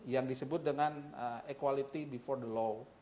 yang disebut dengan equality before the law